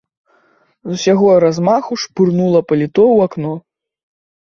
З усяго размаху шпурнула паліто ў акно.